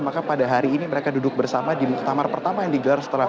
maka pada hari ini mereka duduk bersama di muktamar pertama yang digelar